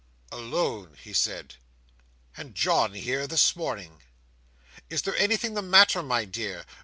"Alone!" he said, "and John here this morning! Is there anything the matter, my dear?